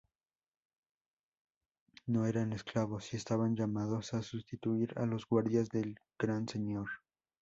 No eran esclavos y estaban llamados a sustituir a los guardias del Gran Señor.